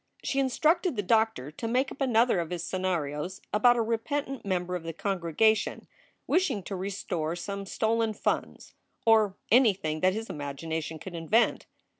She instructed the doctor to make up another of his scenarios about a repentant member of the congregation wishing to restore some stolen funds or anything that his imagination could invent.